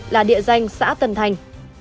là địa danh xã tân thành